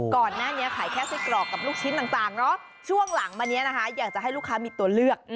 ก่อนหน้านี้ขายแค่ไส้กรอกกับลูกชิ้นต่างเนาะช่วงหลังมานี้นะคะอยากจะให้ลูกค้ามีตัวเลือก